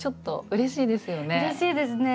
うれしいですね。